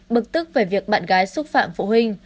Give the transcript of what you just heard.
bực tức về việc bạn gái xúc phạm phụ huynh